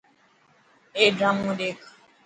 اي ڊرامون ڏيک.